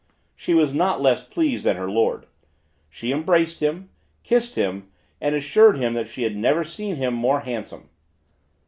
She was not less pleased than her lord. She embraced him, kissed him, and assured him that she had never seen him more handsome.